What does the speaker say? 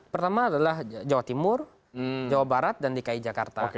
pertama adalah jawa timur jawa barat dan dki jakarta